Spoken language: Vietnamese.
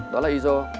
đó là iso